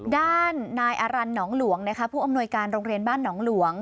ด้านนายอารันหนองหลวงผู้อำนวยการโรงเรียนบ้านหนองหลวง